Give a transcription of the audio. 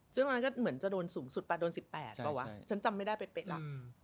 ซึ่งตอนนั้นก็เหมือนจะโดนสูงสุดไปโดน๑๘เปล่าวะฉันจำไม่ได้เป๊ะล่ะ